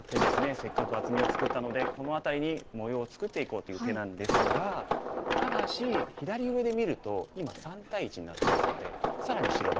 せっかく厚みを作ったのでこの辺りに模様を作っていこうという手なんですがただし左上で見ると今３対１になってますので更に白番。